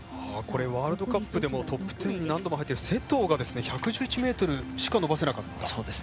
ワールドカップでもトップ１０に何度も入っている勢藤が１１１ｍしか伸ばせなかった。